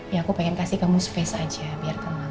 ya aku pengen kasih kamu space aja biar tenang